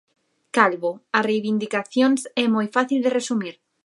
Calvo: A reivindicacións é moi fácil de resumir.